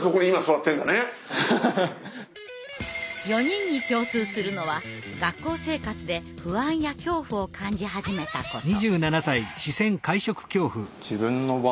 ４人に共通するのは学校生活で不安や恐怖を感じ始めたこと。